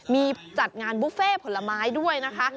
มีจัดงานบุฟเฟ่ผลไม้ด้วยนะคะ